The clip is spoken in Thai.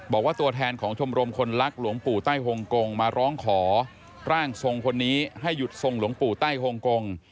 บอกว่าตัวแทนของชมรมคนรักหลวงปู่ใต้ฮงกงมาร้องขอร่างทรงคนนี้ให้หยุดทรงหลวงปู่ใต้ฮงกง